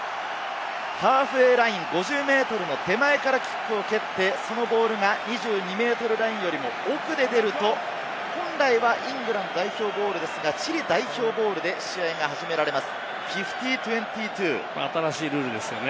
ハーフウェイライン５０ｍの手前からキックを蹴って、そのボールが２２ｍラインよりもオフで出ると、本来はイングランド代表ボールですが、チリ代表ボールで試合が始められます。